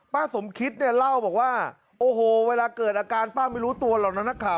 สมคิตเนี่ยเล่าบอกว่าโอ้โหเวลาเกิดอาการป้าไม่รู้ตัวหรอกนะนักข่าว